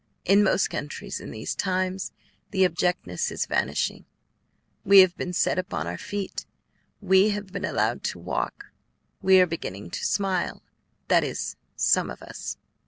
In most countries in these times the abjectness is vanishing; we have been set upon our feet; we have been allowed to walk; we are beginning to smile, that is, some of us.